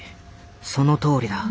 そのとおりだ。